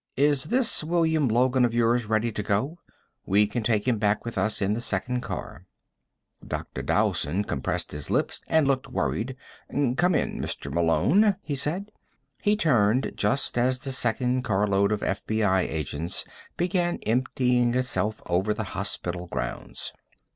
Is this William Logan of yours ready to go? We can take him back with us in the second car." Dr. Dowson compressed his lips and looked worried. "Come in, Mr. Malone," he said. He turned just as the second carload of FBI agents began emptying itself over the hospital grounds.